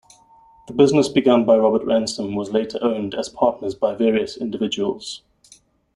The business begun by Robert Ransome was later owned as partners by various individuals.